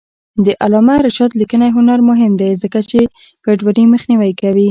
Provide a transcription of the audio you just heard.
د علامه رشاد لیکنی هنر مهم دی ځکه چې ګډوډي مخنیوی کوي.